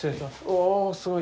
わすごい！